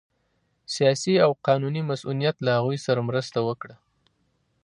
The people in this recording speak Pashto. سیاسي او قانوني مصونیت له هغوی سره مرسته وکړه